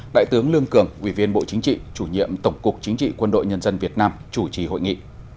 đại tướng lương cường ủy viên bộ chính trị chủ nhiệm tổng cục chính trị quân đội nhân dân việt nam chủ trì hội nghị